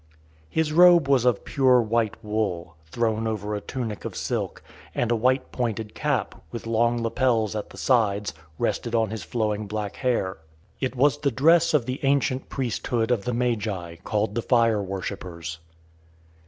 His robe was of pure white wool, thrown over a tunic of silk; and a white, pointed cap, with long lapels at the sides, rested on his flowing black hair. It was the dress of the ancient priesthood of the Magi, called the fire worshippers.